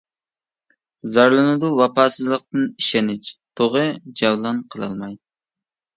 زارلىنىدۇ ۋاپاسىزلىقتىن، ئىشەنچ تۇغى جەۋلان قىلالماي.